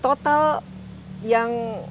total yang dimiliki sekarang